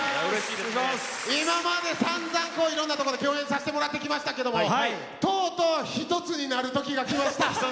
今までさんざんいろんなとこで共演させてもらってきましたけどもとうとう一つになる時が来ました。